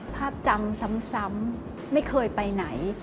ภาพจำซ้ำไม่เคยไปไหน